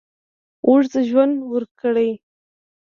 اوږد ژوند ورکړي.